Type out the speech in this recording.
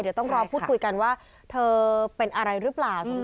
เดี๋ยวต้องรอพูดคุยกันว่าเธอเป็นอะไรหรือเปล่า